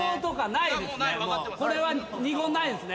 これは二言ないですね。